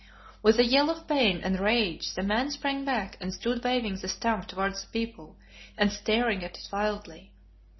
With a yell of pain and rage the man sprang back and stood waving the stump towards the people and staring at it wildly.